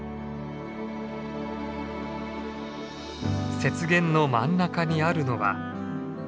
雪原の真ん中にあるのは。